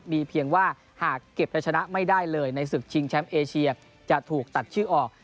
มีเพียงว่าหากเก็บจะชนะไม่ได้เลยในศึกชิงแชมป์เอเชียจะถูกตัดชื่อออก